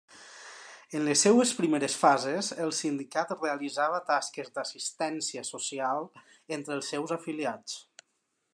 En les seves primeres fases el sindicat realitzava tasques d'assistència social entre els seus afiliats.